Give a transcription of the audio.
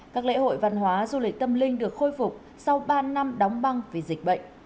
các lễ hội văn hóa du lịch tâm linh được khôi phục sau ba năm đóng băng vì dịch bệnh